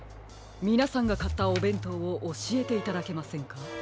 みなさんがかったおべんとうをおしえていただけませんか？